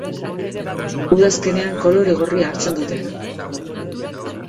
Udazkenean kolore gorria hartzen dute.